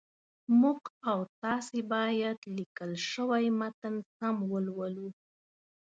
موږ او تاسي باید لیکل شوی متن سم ولولو